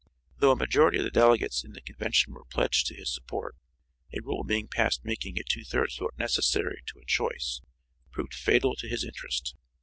Though a majority of the delegates in the convention were pledged to his support, a rule being passed making a two thirds vote necessary to a choice, proved fatal to his interest.